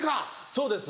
そうです。